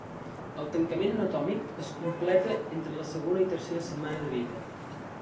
El tancament anatòmic es completa entre la segona i tercera setmana de vida.